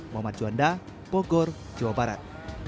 mohd juanda bogor jawa barat